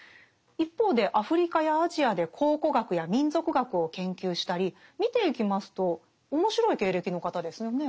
一方でアフリカやアジアで考古学や民俗学を研究したり見ていきますと面白い経歴の方ですよね。